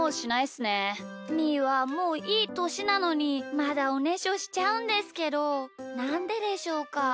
みーはもういいとしなのにまだおねしょしちゃうんですけどなんででしょうか？